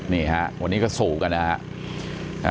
นี่ฮะวันนี้ก็สู่กันนะฮะ